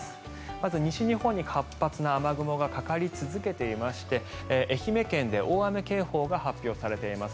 まず、西日本に活発な雨雲がかかり続けていまして愛媛県で大雨警報が発表されています。